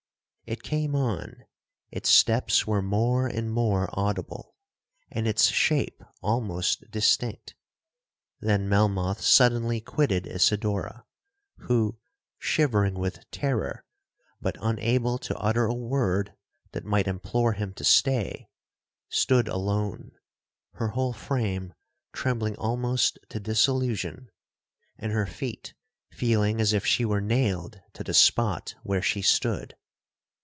It came on—its steps were more and more audible, and its shape almost distinct.—Then Melmoth suddenly quitted Isidora, who, shivering with terror, but unable to utter a word that might implore him to stay, stood alone, her whole frame trembling almost to dissolution, and her feet feeling as if she were nailed to the spot where she stood.